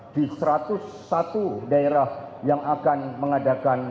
di satu ratus satu daerah yang akan mengadakan